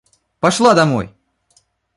Пошла домой!